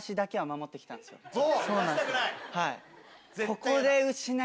はい。